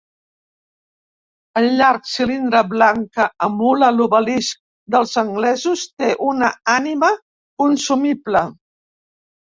El llarg cilindre blanc que emula l'obelisc dels anglesos té una ànima consumible.